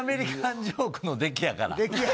ジョークの出来やから。